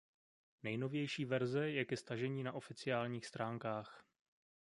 Nejnovější verze je ke stažení na oficiálních stránkách.